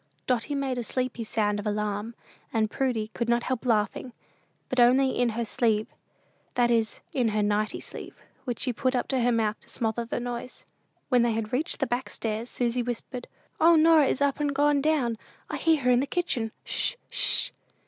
Dotty made a sleepy sound of alarm, and Prudy could not help laughing, but only "in her sleeve," that is, in her "nightie" sleeve, which she put up to her mouth to smother the noise. When they had reached the back stairs Susy whispered, "O, Norah is up and gone down. I hear her in the kitchen. 'Sh!